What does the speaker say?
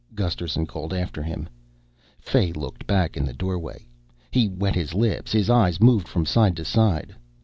Gusterson called after him. Fay looked back in the doorway. He wet his lips, his eyes moved from side to side.